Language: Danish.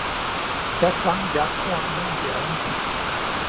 Da klang jagthorn mellem bjergene.